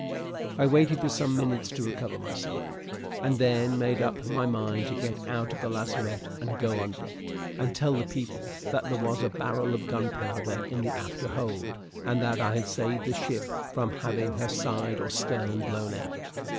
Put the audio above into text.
I waited for some minutes to recover myself, and then made up my mind to get out of the lazarette and go on deck, and tell the people that there was a barrel of gunpowder in the after hold, and that I had saved the ship from having her side or stern blown out.